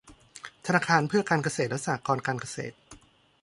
ธนาคารเพื่อการเกษตรและสหกรณ์การเกษตร